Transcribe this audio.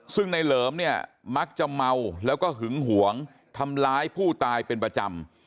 ซึ่งในเหลิมเนี่ยมักจะเมาแล้วก็หึงหวงทำร้ายผู้ตายเป็นประจำ